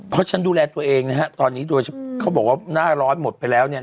เพราะฉันดูแลตัวเองนะฮะตอนนี้โดยเขาบอกว่าหน้าร้อนหมดไปแล้วเนี่ย